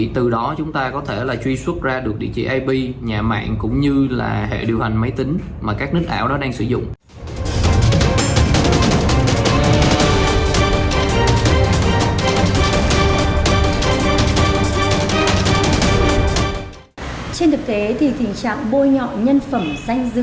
từ đó chúng ta có thể là truy xuất ra được địa chỉ ip nhà mạng cũng như là hệ điều hành máy tính mà các nick ảo đó đang sử dụng